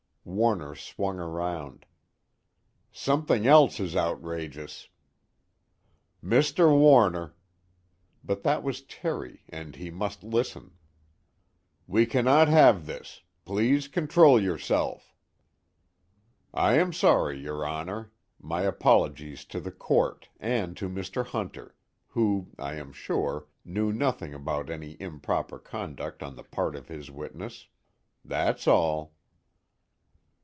Warner swung around. "Something else is outrageous " "Mr. Warner!" But that was Terry, and he must listen. "We cannot have this. Please control yourself." "I am sorry, your Honor. My apologies to the Court, and to Mr. Hunter who, I am sure, knew nothing about any improper conduct on the part of his witness. That's all."